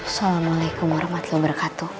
assalamualaikum warahmatullahi wabarakatuh